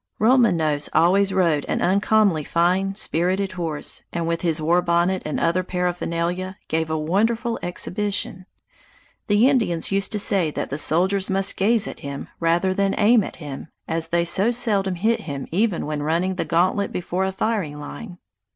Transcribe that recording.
Roman Nose always rode an uncommonly fine, spirited horse, and with his war bonnet and other paraphernalia gave a wonderful exhibition. The Indians used to say that the soldiers must gaze at him rather than aim at him, as they so seldom hit him even when running the gantlet before a firing line.